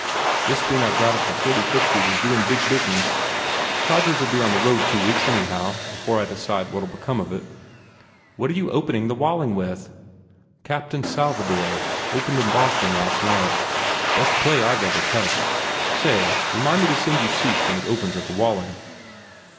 This thing I ve got at the Forty Fifth Street is doin big business. Todgers ll be on the road two weeks, anyhow, before I decide what ll be come of it " "What are you opening the Walling with?" 1 Captain Salvador. .Opened in Boston last night. Best play I ve ever touched! Say, re mind me to send you seats when it opens the Walling."